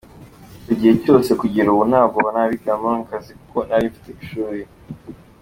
icyo gihe cyose kugera ubu ntabwo nabibagamo nk’akazi kuko nari mfite ishuri.